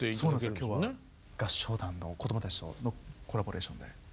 今日は合唱団のこどもたちとのコラボレーションで。